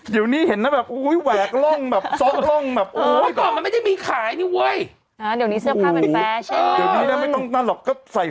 อยู่นี่เห็นน้ำแบบอุ๊ยแหวกร่องแบบซ้อกร่องแบบโอ๊ย